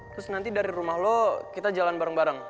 terus nanti dari rumah lo kita jalan bareng bareng